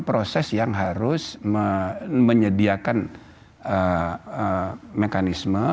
proses yang harus menyediakan mekanisme